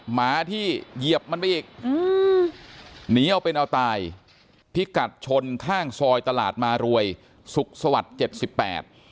หมาที่เหยียบมันไปอีกอืมหนีเอาเป็นเอาตายพิกัดชนข้างซอยตลาดมารวยสุขสวัสดิ์เจ็ดสิบแปด